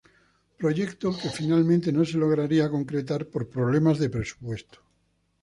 Proyecto que finalmente no se lograría concretar por problemas de presupuesto.